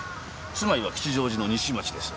住まいは吉祥寺の西町です。